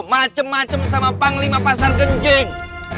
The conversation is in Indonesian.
macem macem sama panglima pasar kenjeng